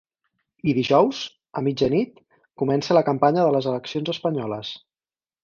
I dijous, a mitjanit, comença la campanya de les eleccions espanyoles.